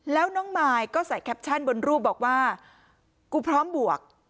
แล้วน้องมายก็ใส่แคปชั่นบนรูปบอกว่ากูพร้อมบวก